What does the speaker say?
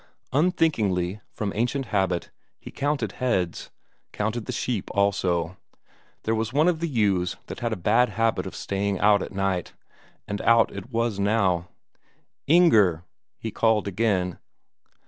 Unthinkingly, from ancient habit, he counted heads, counted the sheep also; there was one of the ewes had a bad habit of staying out at night and out it was now, "Inger!" he called again.